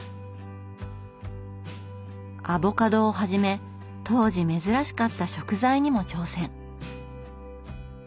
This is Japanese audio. アボカドをはじめ当時珍しかった食材にも挑戦。